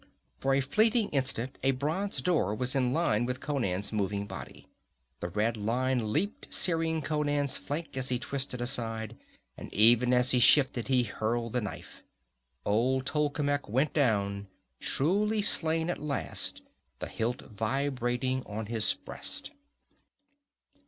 For a fleeting instant a bronze door was in line with Conan's moving body. The red line leaped, searing Conan's flank as he twisted aside, and even as he shifted he hurled the knife. Old Tolkemec went down, truly slain at last, the hilt vibrating on his breast.